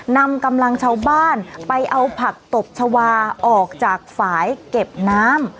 นำกำลังชาวบ้านไปเอาผักตบชาวาออกจากฝ่ายเก็บน้ำ